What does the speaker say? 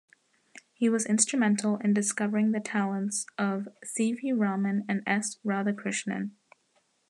He was instrumental in discovering the talents of C. V. Raman and S. Radhakrishnan.